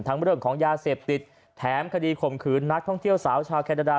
เรื่องของยาเสพติดแถมคดีข่มขืนนักท่องเที่ยวสาวชาวแคนาดา